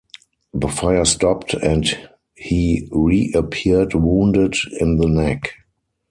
The fire stopped, and he reappeared, wounded in the neck.